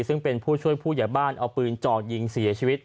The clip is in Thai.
ซึ่งเป็นผู้ช่วยผู้ใหญ่บ้านเอาปืนจ่อยิงเสียชีวิต